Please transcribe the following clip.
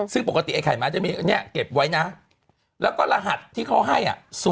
ซึ่งปกติไอไข่ม้าจะมีอันนี้เก็บไว้นะแล้วก็รหัสที่เขาให้